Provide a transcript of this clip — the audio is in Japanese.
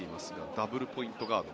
ダブルポイントガード